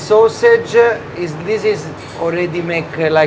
กลับกินแล้วหรือเปล่า